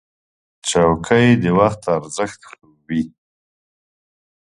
چوکۍ د وخت ارزښت ښووي.